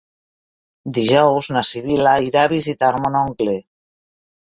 Dijous na Sibil·la irà a visitar mon oncle.